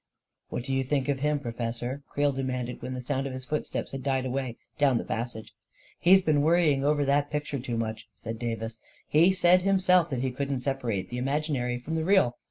44 What do you think of him, Professor? " Creel demanded, when the sound of his footsteps had died away down the passage. " He has been worrying over that picture too much," said Davis. u He said himself that he couldn't separate the imaginary from the real.